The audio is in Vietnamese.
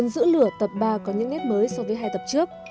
giữ lửa tập ba có những nét mới so với hai tập trước